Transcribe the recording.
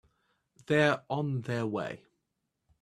They're on their way.